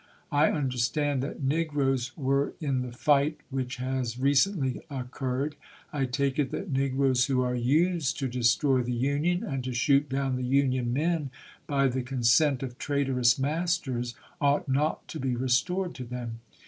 .. I understand that negroes were in the fight which has recently occurred. I take it that negroes who are used to destrov the Union, and to shoot down the Union men by the consent of traitorous mas ters, ought not to be restored to them."